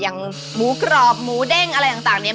อย่างหมูกรอบหมูเด้งอะไรต่างเนี่ย